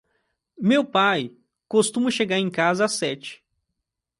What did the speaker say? Meu pai costuma chegar em casa às sete.